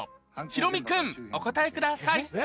ヒロミ君お答えください